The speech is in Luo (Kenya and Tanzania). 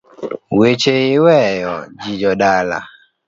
Weche iweyo, ji jodala.